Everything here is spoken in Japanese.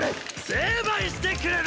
成敗してくれる！